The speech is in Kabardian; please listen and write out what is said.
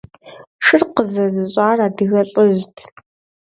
Шыр къызэзыщар адыгэ лӀыжьт.